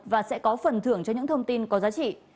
và sẽ có phần thưởng cho những thông tin có giá trị